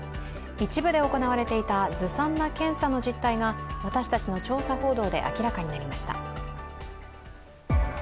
一部で行われていたずさんな検査の実態が私たちの調査報道で明らかになりました。